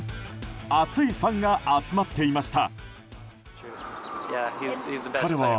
熱いファンが集まっていました。